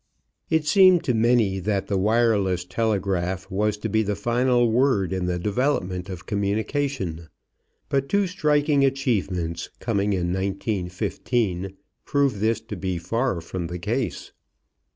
It seemed to many that the wireless telegraph was to be the final word in the development of communication, but two striking achievements coming in 1915 proved this to be far from the case.